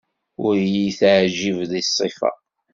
Ur iyi-teɛjib deg ṣṣifa.